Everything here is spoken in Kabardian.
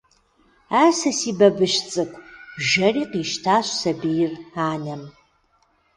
– А сэ си бабыщ цӀыкӀу, – жэри къищтащ сабийр анэм.